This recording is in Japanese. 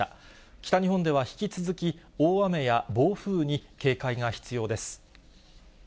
北日本では引き続き、大雨や暴風に警戒が必要です。